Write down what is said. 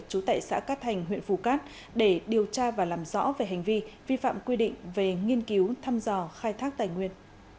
trú tại xã cát thành huyện phù cát để điều tra và làm rõ về hành vi vi phạm quy định về nghiên cứu thăm dò khai thác tài nguyên